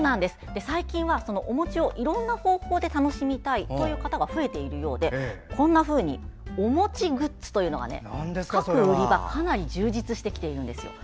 最近はお餅をいろいろな方法で楽しみたいという方が増えているようで、こんなふうにお餅グッズというのが各売り場でかなり充実してきているんです。